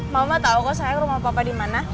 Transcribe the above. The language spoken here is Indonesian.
mama tahu kok sayang rumah papa di mana